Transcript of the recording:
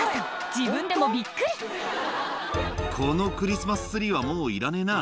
自分でもびっくり「このクリスマスツリーはもういらねえな」